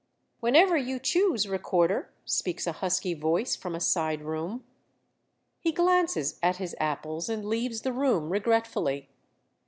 "Whenever you choose, recorder," speaks a husky voice from a side room. He glances at his apples, and leaves the room regretfully.